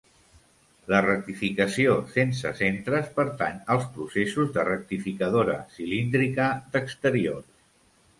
La rectificació sense centres pertany als processos de rectificadora cilíndrica d'exteriors.